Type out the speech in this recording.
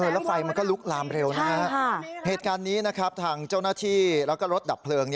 แล้วไฟมันก็ลุกลามเร็วนะฮะเหตุการณ์นี้นะครับทางเจ้าหน้าที่แล้วก็รถดับเพลิง